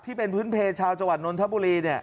ที่เป็นพื้นเพลชาวจังหวัดนนทบุรี